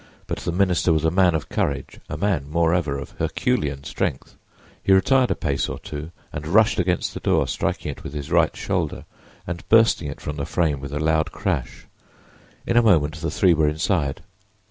But the minister was a man of courage, a man, moreover, of Herculean strength. He retired a pace or two and rushed against the door, striking it with his right shoulder and bursting it from the frame with a loud crash. In a moment the three were inside.